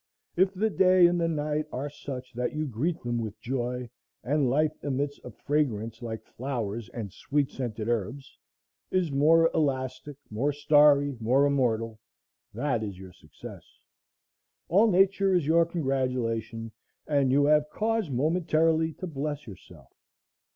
If the day and the night are such that you greet them with joy, and life emits a fragrance like flowers and sweet scented herbs, is more elastic, more starry, more immortal,—that is your success. All nature is your congratulation, and you have cause momentarily to bless yourself.